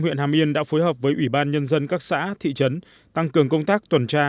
huyện hàm yên đã phối hợp với ủy ban nhân dân các xã thị trấn tăng cường công tác tuần tra